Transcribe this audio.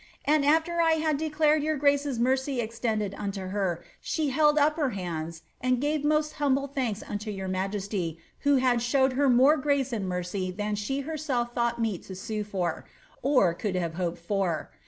And afler I had declared your grace's mercy extended unto her, she held up her hands, and gave most humble thanks unto your majesty, who had showe l het more grace and mercy than she herselflhought meet to sue for, or could have lioped for.